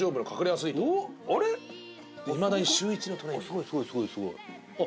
すごいすごいすごいすごい。